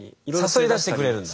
誘い出してくれるんだ。